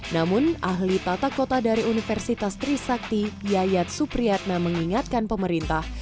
namun ahli tata kota dari universitas trisakti yayat supriyatna mengingatkan pemerintah